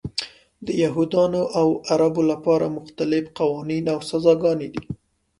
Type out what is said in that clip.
د یهودانو او عربو لپاره مختلف قوانین او سزاګانې دي.